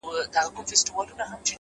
ما په لفظو کي بند پر بند ونغاړه،